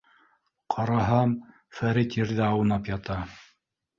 Ҡараһам, Фәрит ерҙә аунап ята.